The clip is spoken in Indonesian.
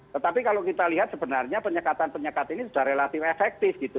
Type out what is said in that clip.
tetapi kalau kita lihat sebenarnya penyekatan penyekat ini sudah relatif efektif gitu